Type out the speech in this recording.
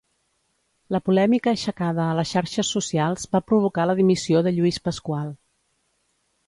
La polèmica aixecada a les xarxes socials va provocar la dimissió de Lluís Pasqual.